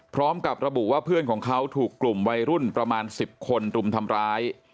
พร้อมกับระบุว่าเพื่อนของเขาถูกกลุ่มวัยรุ่นประมาณ๑๐คนรุมทำร้าย